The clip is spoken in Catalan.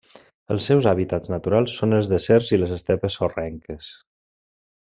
Els seus hàbitats naturals són els deserts i les estepes sorrenques.